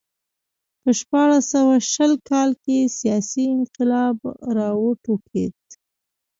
په شپاړس سوه شل کال کې سیاسي انقلاب راوټوکېد